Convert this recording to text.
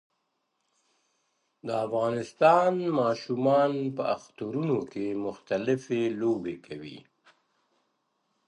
د افغانستان ماشومان په اخترونو کې مختلفي لوبې کوي